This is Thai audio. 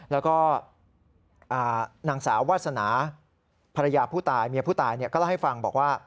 แล้วก็นางสาววาสนาภรรยาผู้ตายเมียผู้ตายก็เล่าให้ฟังบอกว่า